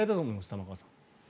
玉川さん。